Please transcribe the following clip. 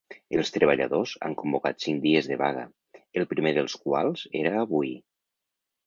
Els treballadors han convocat cinc dies de vaga, el primer dels quals era avui.